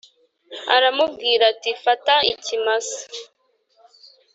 aramubwira ati fata ikimasa